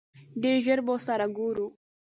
ډېر ژر به سره ګورو!